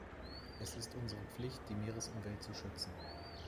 Es ist unsere Pflicht, die Meeresumwelt zu schützen.